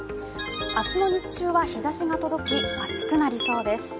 明日の日中は日ざしが届き暑くなりそうです。